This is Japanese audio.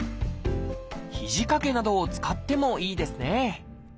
肘掛けなどを使ってもいいですね